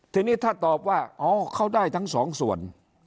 ทีนี้ถ้าตอบว่าอ๋อเขาได้ทั้งสองส่วน